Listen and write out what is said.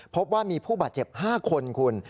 พบว่ามีผู้บาดเจ็บ๕คนคุณ